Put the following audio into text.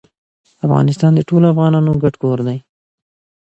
افغانستان د ټولو افغانانو ګډ کور ده.